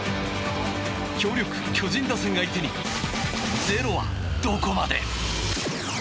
強力巨人打線相手に０は、どこまで。